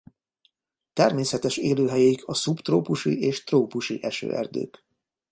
Természetes élőhelyeik a szubtrópusi és trópusi esőerdők.